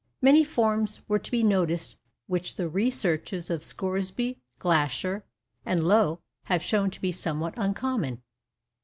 Many forms were to be noticed which the researches of Scoresby, Glaisher, and Lowe have shown to be somewhat uncommon.